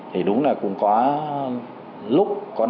thì đúng là cũng có lúc có lúc có lúc